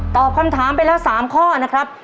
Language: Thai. ตอบคำถามไปแล้ว๓ข้อนะครับ